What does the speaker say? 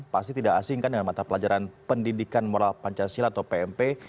pasti tidak asing kan dengan mata pelajaran pendidikan moral pancasila atau pmp